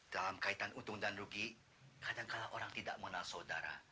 dalam kaitan untung dan rugi kadangkala orang tidak mengenal saudara